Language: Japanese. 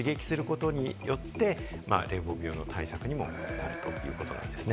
こうやって自律神経を刺激することによって冷房病の対策にもなるということなんですね。